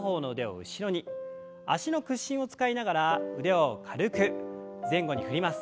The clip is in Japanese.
脚の屈伸を使いながら腕を軽く前後に振ります。